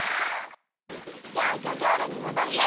じゃあギョギョールにもどるよ！